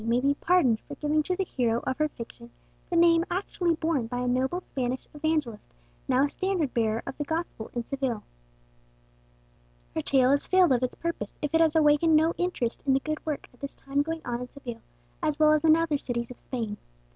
may be pardoned for giving to the hero of her fiction the name actually borne by a noble Spanish evangelist now a standard bearer of the gospel in Seville. Her tale has failed of its purpose if it has awakened no interest in the good work at this time going on in Seville, as well as in other cities of Spain.